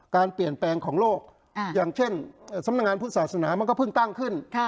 การเปลี่ยนแปลงของโลกอย่างเช่นสำนักงานพุทธศาสนามันก็เพิ่งตั้งขึ้น